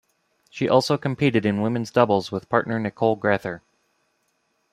She also competed in women's doubles with partner Nicole Grether.